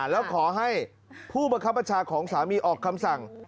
แล้วขอให้ผู้บังคับบัญชาของสามีออกคำสั่ง